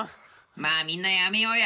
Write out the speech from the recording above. ・まあみんなやめようや。